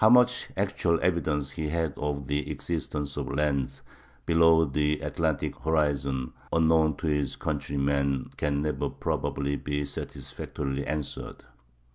How much actual evidence he had of the existence of lands below the Atlantic horizon unknown to his countrymen can never probably be satisfactorily answered.